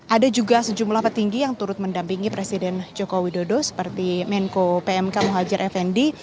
ada juga sejumlah petinggi yang turut mendampingi presiden joko widodo seperti menko pmk muhajir effendi